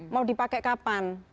mau dipakai kapan